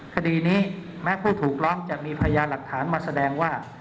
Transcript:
คดีนี้แม้ผู้ถูกร้องจะมีพยานหลักฐานมาแสดงว่า